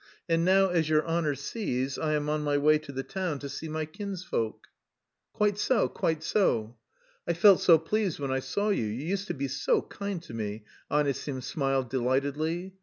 And now as your honour sees, I am on my way to the town to see my kinsfolk." "Quite so, quite so." "I felt so pleased when I saw you, you used to be so kind to me," Anisim smiled delightedly.